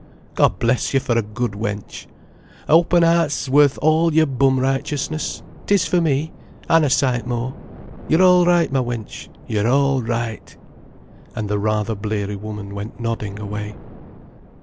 God bless you for a good wench. A' open 'eart 's worth all your bum righteousness. It is for me. An' a sight more. You're all right, ma wench, you're all right—" And the rather bleary woman went nodding away.